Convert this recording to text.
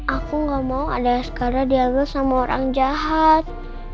aku gak mau adaiskara diambil sama orang jahat